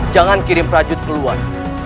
jangan kirim prajurit keluar